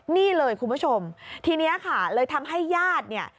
นี่เลยคุณผู้ชมทีนี้ค่ะเลยทำให้ญาติเนี่ย